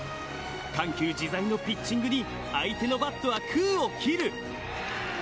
緩急自在のピッチングに相手のバッターは空を切る。